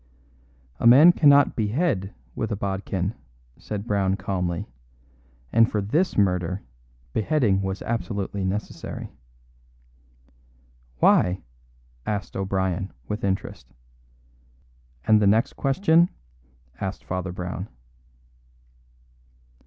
"A man cannot behead with a bodkin," said Brown calmly, "and for this murder beheading was absolutely necessary." "Why?" asked O'Brien, with interest. "And the next question?" asked Father Brown.